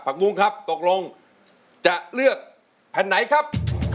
มุ้งครับตกลงจะเลือกแผ่นไหนครับ